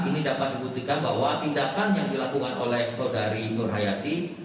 ini dapat dibuktikan bahwa tindakan yang dilakukan oleh saudari nur hayati